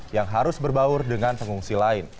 yang harus berbaur dengan pengungsi lain